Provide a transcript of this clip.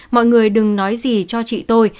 mọi người đừng nói gì cho chị tôi